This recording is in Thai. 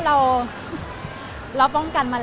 เสียเซลล์กับสิ่งที่แบบ